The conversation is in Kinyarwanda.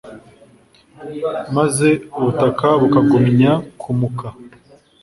maze ubutaka bukagumya kumuka